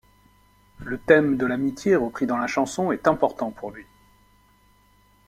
Le thème de l'amitié repris dans la chanson est important pour lui.